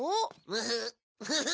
ムフフフ！